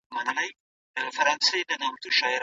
فارمسي پوهنځۍ بې هدفه نه تعقیبیږي.